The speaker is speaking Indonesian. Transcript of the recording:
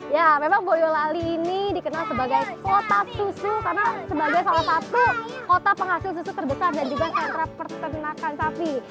ya memang boyolali ini dikenal sebagai kota susu karena sebagai salah satu kota penghasil susu terbesar dan juga sentra persenakan sapi